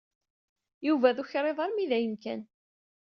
Yuba d ukriḍ armi d ayen kan.